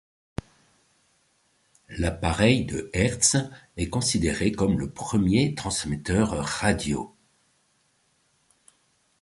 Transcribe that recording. L'appareil de Hertz est considéré comme le premier transmetteur radio.